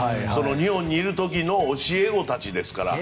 日本にいる時の教え子たちですから。